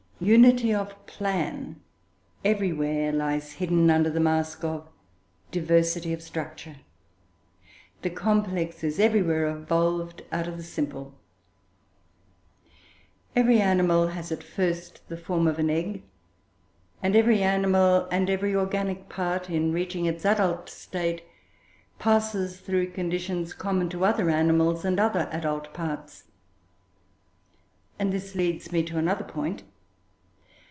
Unity of plan everywhere lies hidden under the mask of diversity of structure the complex is everywhere evolved out of the simple. Every animal has at first the form of an egg, and every animal and every organic part, in reaching its adult state, passes through conditions common to other animals and other adult parts; and this leads me to another point.